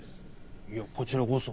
いやこちらこそ。